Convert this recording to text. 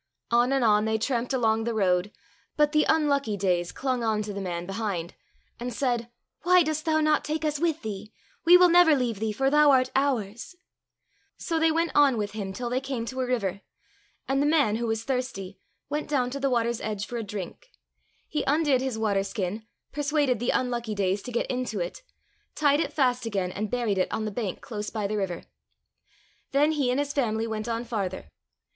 On and on they tramped along the road, but the Unlucky Days clung on to the man behind, and said, *' Why dost thou not take us with thee ? We will never leave thee, for thou art ours !" So they went on with him till they came to a river, and the man, who was thirsty, went down to the water's edge for a drink. He undid his water skin, persuaded the Unlucky Days to get into it, tied it fast again and buried it on the bank close by the river. Then he and his family went on farther.